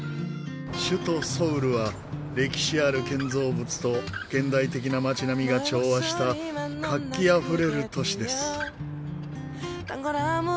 首都ソウルは歴史ある建造物と現代的な街並みが調和した活気あふれる都市です。